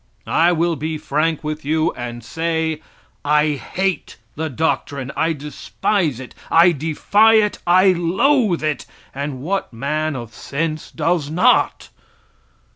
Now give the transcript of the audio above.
I will be frank with you and say, I hate the doctrine; I despise it, I defy it; I loathe it and what man of sense does not.